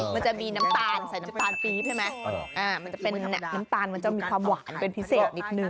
มันจะมีน้ำตาลใส่น้ำตาลปี๊บใช่ไหมมันจะเป็นน้ำตาลมันจะมีความหวานเป็นพิเศษนิดนึง